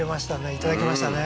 いただきましたね